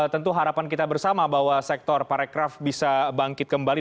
tentu harapan kita bersama bahwa sektor parekraf bisa bangkit kembali